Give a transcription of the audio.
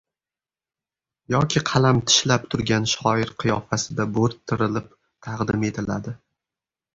yoki qalam tishlab turgan shoir qiyofasida boʻrttirilib taqdim etiladi.